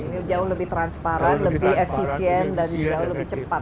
ini jauh lebih transparan lebih efisien dan jauh lebih cepat